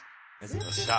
よっしゃ。